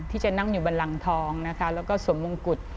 ที่จะนั่งอยู่บนหลังทองนะคะแล้วก็สวมมงกุฎ